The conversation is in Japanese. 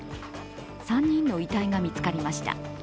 ３人の遺体が見つかりました。